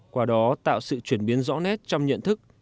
qua đó tạo sự chuyển biến rõ nét trong nhận thức